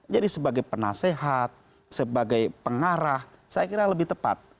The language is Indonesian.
jadi sebagai penasehat sebagai pengarah saya kira lebih tepat